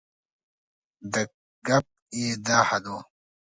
د ګپ یې دا حد و.